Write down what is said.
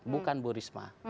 bukan bu risma